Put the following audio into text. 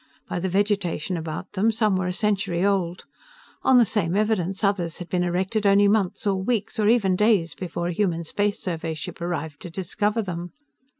By the vegetation about them, some were a century old. On the same evidence, others had been erected only months or weeks or even days before a human Space Survey ship arrived to discover them.